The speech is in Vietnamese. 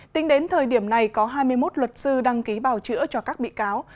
tính đến thời điểm này có hai mươi một luật sư đăng ký bào chữa cho các bị cáo